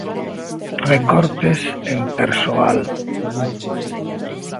Recortes en persoal.